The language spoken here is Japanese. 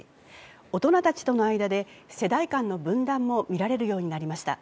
大人たちとの間で世代間の分断も見られるようになりました。